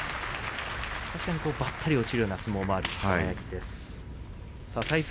確かにばったり落ちるような相撲もある輝です。